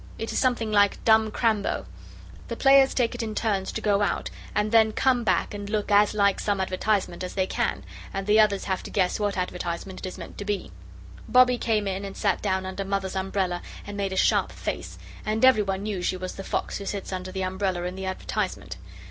It is something like dumb Crambo. The players take it in turns to go out, and then come back and look as like some advertisement as they can, and the others have to guess what advertisement it is meant to be. Bobbie came in and sat down under Mother's umbrella and made a sharp face, and everyone knew she was the fox who sits under the umbrella in the advertisement.